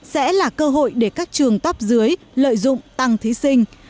sẽ là cơ hội để các trường top dưới lợi dụng tăng thí sinh